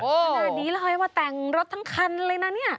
ขนาดนี้เราให้ว่าแต่งรถทั้งคันเลยนะนี่